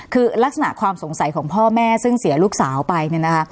คือลักษณะความสงสัยของพ่อแม่ซึ่งเสียลูกสาวไป